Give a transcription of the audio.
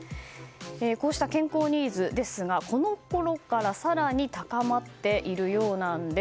こうした健康ニーズですがこのころから更に高まっているようなんです。